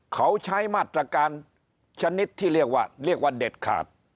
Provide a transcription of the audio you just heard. เขาใช้มาตรการชนิดที่เรียกว่าเรียกว่าเด็ดขาด